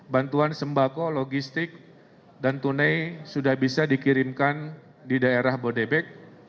bantuan sembako logistik dan tunai sudah bisa dikirimkan di daerah bodebek